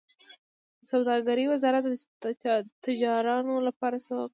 د سوداګرۍ وزارت د تجارانو لپاره څه کوي؟